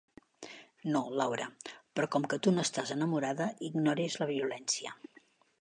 No, Laura; però com que tu no estàs enamorada, ignores la violència.